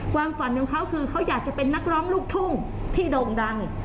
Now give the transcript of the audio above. ความฝันของเขาคือเขาอยากจะเป็นนักร้องลูกทุ่งที่โด่งดัง